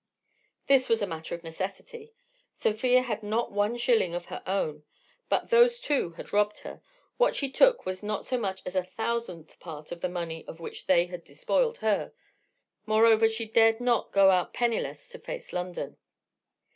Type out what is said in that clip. This was a matter of necessity. Sofia had not one shilling of her own. But those two had robbed her, what she took was not so much as a thousandth part of the money of which they had despoiled her. Moreover, she dared not go out penniless to face London.